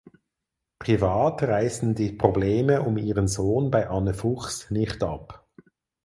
Privat reißen die Probleme um ihren Sohn bei Anne Fuchs nicht ab.